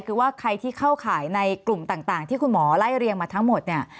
คือว่าใครที่เข้าข่ายในกลุ่มต่างที่คุณหมอไล่เรียงมาทั้งหมดเนี่ย